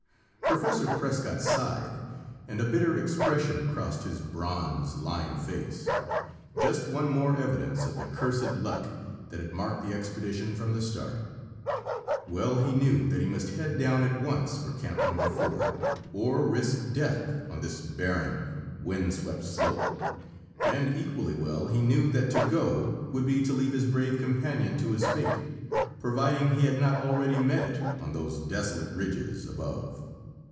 Professor Prescott sighed, and a bitter expression crossed his bronzed, lined face. Just one more evidence of the cursed luck that had marked the expedition from the start! Well he knew that he must head down at once for Camp No. 4 or risk death on this barren, wind swept slope, and equally well he knew that to go would be to leave his brave companion to his fate, providing he had not already met it on those desolate ridges above.